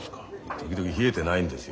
時々冷えてないんですよ